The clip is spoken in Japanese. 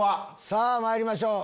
さぁまいりましょう。